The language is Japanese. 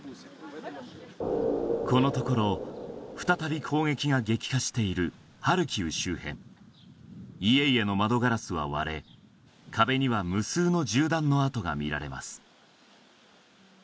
このところ再び攻撃が激化しているハルキウ周辺家々の窓ガラスは割れ壁には無数の銃弾の痕が見られます